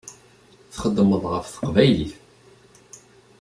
Txeddmeḍ ɣef teqbaylit.